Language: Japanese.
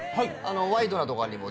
『ワイドナ』とかにも出て。